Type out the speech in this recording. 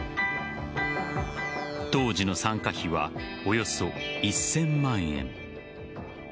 当時の参加費はおよそ１０００万円。